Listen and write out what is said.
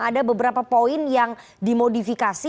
ada beberapa poin yang dimodifikasi